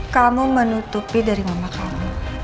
kamu menutupi dari mama kamu